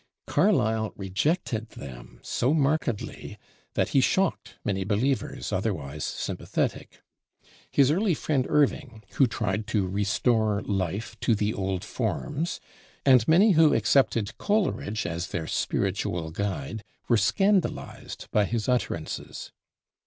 Carlyle rejected them so markedly that he shocked many believers, otherwise sympathetic. His early friend Irving, who tried to restore life to the old forms, and many who accepted Coleridge as their spiritual guide, were scandalized by his utterances.